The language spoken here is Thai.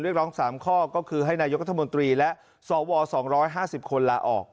เรียกร้อง๓ข้อก็คือให้นายกรัฐมนตรีและสว๒๕๐คนลาออก